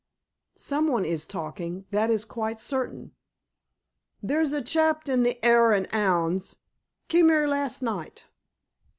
"Someone is talking. That is quite certain." "There's a chap in the 'Are an' 'Ounds—kem 'ere last night."